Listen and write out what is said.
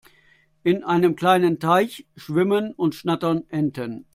In einem kleinen Teich schwimmen und schnattern Enten.